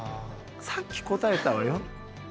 さっき答えたわよ。